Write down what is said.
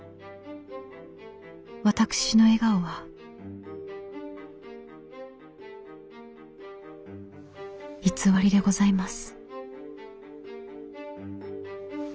「私の笑顔は偽りでございます」。